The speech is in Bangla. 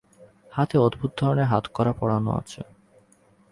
হাতে অদ্ভুত ধরনের হাতকড়া পরানো আছে।